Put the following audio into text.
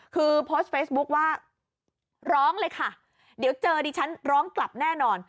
คือโพสต์เฟซบุ๊คว่าร้องเลยค่ะเดี๋ยวเจอดิฉันร้องกลับแน่นอน